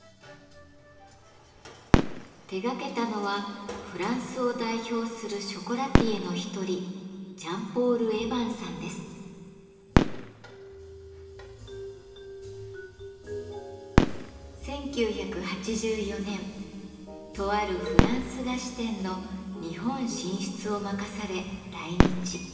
手がけたのはフランスを代表するショコラティエの一人１９８４年とあるフランス菓子店の日本進出を任され来日。